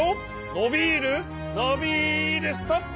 のびるのびるストップ！